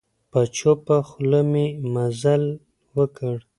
په چوپه خوله مي مزل وکړ .